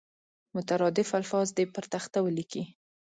مترادف الفاظ دې پر تخته ولیکي.